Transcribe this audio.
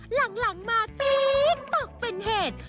หลังมาปีี้ส์ตกเป็นเหตุ